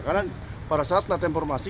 karena pada saat latihan formasi